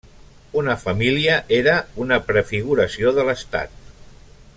Una família era una prefiguració de l'estat.